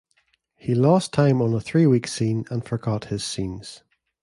He lost time on a three-week scene and forgot his scenes.